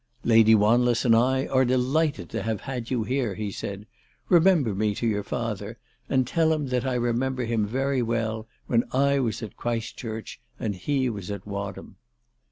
"Lady Wanless and I are delighted to have had you here," he said. " Remember me to your father, and tell him that I remember him very well when I was at Christchurch and he was at Wadham."